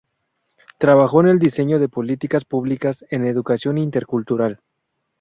Trabajó en el diseño de políticas públicas en educación intercultural.